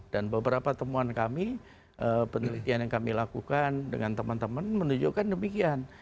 dan beberapa temuan kami penelitian yang kami lakukan dengan teman teman menunjukkan demikian